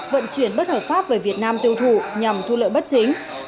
vận chuyển bất hợp pháp về việt nam tiêu thụ nhằm thu lợi bất chính